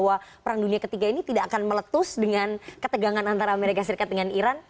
bahwa perang dunia ketiga ini tidak akan meletus dengan ketegangan antara amerika serikat dengan iran